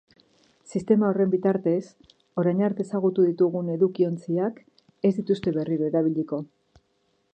Sistema horren bitartez, orain arte ezagutu ditugun edukiontziak ez dituzte berriro erabiliko.